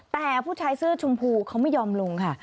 แต่ผู้ชายเสื้อชมพูเขาไม่ยอมลงค่ะ